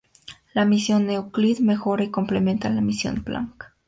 La misión Euclid mejora y complementa a la misión Plank.